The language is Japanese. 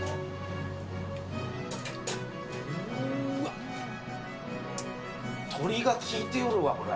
うーわ、鶏が効いておるわ、これ。